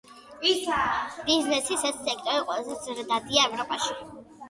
ბიზნესის ეს სექტორი ყველაზე ზრდადია ევროპაში.